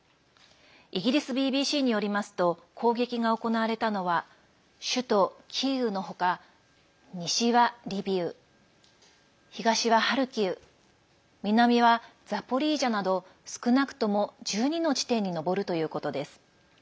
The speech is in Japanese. イギリスＢＢＣによりますと攻撃が行われたのは首都キーウの他、西はリビウ東はハルキウ南はザポリージャなど少なくとも１２の地点に上るということです。